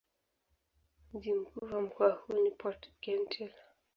Mji mkuu wa mkoa huu ni Port-Gentil.